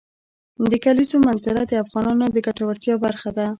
د کلیزو منظره د افغانانو د ګټورتیا برخه ده.